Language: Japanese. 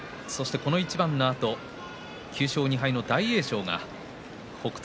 この一番のあと９勝２敗の大栄翔が北勝